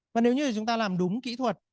và nếu như chúng ta làm đúng kỹ thuật